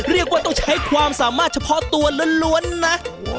เรียกว่าต้องใช้ความสามารถเฉพาะตัวล้วนนะ